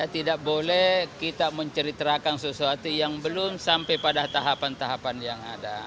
tidak boleh kita menceritakan sesuatu yang belum sampai pada tahapan tahapan yang ada